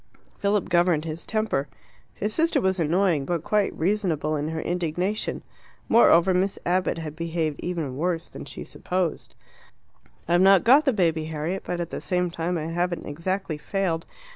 Philip governed his temper. His sister was annoying, but quite reasonable in her indignation. Moreover, Miss Abbott had behaved even worse than she supposed. "I've not got the baby, Harriet, but at the same time I haven't exactly failed.